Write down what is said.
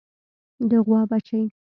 د غوا بچۍ